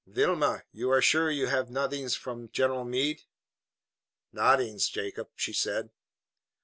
Vilhelmina, you are sure ve haf noddings from General Meade?" "Noddings, Jacob," she said.